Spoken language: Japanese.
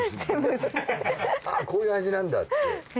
こういう味なんだって。